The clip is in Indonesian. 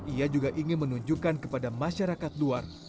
ia juga ingin menunjukkan kepada masyarakat luar